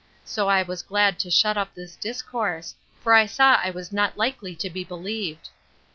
So I was glad to shut up this discourse; for I saw I was not likely to be believed.